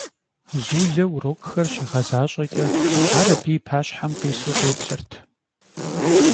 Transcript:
Zule vurokxer şiğezaş'eç'e, ar abı yi paşhem khisu khêplhırt.